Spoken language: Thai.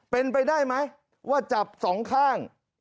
เป็นไปได้ไหมว่าจับสองข้าง